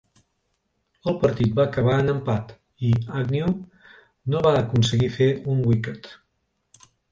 El partit va acabar en empat, i Agnew no va aconseguir fer un wicket.